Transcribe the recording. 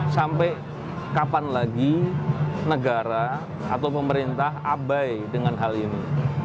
sampai kapan lagi negara atau pemerintah abai dengan hal ini